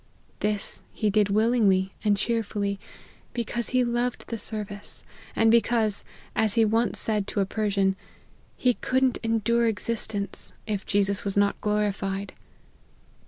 This he did willingly and cheerfully, because he loved the service ; and because, as he once said to a Persian, he " could not endure existence, if Jesus was not glorified."